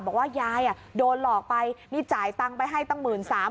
บอกว่ายายโดนหลอกไปนี่จ่ายตังค์ไปให้ตั้ง๑๓๐๐บาท